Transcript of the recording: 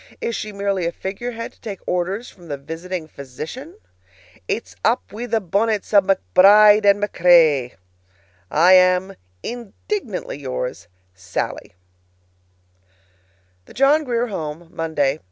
Is she merely a figurehead to take orders from the visiting physician? It's up wi' the bonnets o' McBride and MacRae! I am, Indignantly yours, SALLIE. THE JOHN GRIER HOME, Monday.